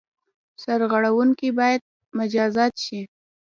سرغړوونکي باید مجازات شي.